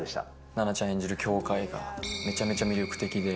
菜名ちゃん演じる羌かいが、めちゃめちゃ魅力的で。